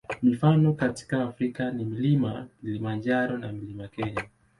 Mifano katika Afrika ni Mlima Kilimanjaro na Mlima Kenya.